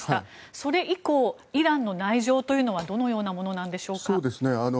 それ以降イランの内情というのはどのようなものでしょうか？